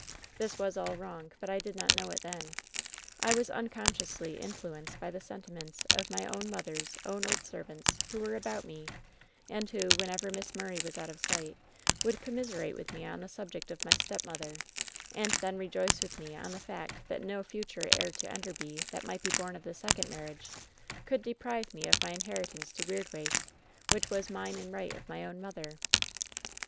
"This was all wrong, but I did not know it then. I was imconsciously influenced by the sentiments of my own mother^s own old servants who were about me, and who, whenever Miss Murray was out of sight, would commiserate with me on the subject of my stepmother, and then rejoice with me on the fact that no future heir to Enderby that might be bom of the second marriage, could deprive me of my inheritance of Weirdwaste, which was mine in right of my own mother.